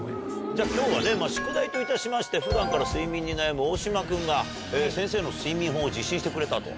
じゃあ今日はね宿題といたしまして普段から睡眠に悩む大島君が先生の睡眠法を実施してくれたと。